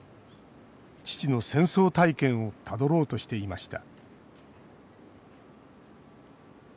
父の戦争体験をたどろうとしていました